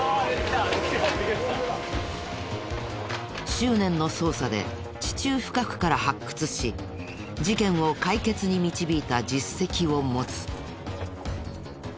執念の捜査で地中深くから発掘し事件を解決に導いた実績を持つ。